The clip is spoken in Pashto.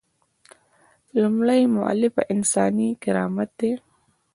لومړۍ مولفه انساني کرامت دی.